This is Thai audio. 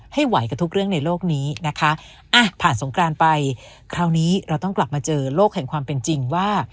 ไหวกับทุกเรื่องในโลกนี้นะคะอ่ะผ่านสงกรานไปคราวนี้เราต้องกลับมาเจอโลกแห่งความเป็นจริงว่า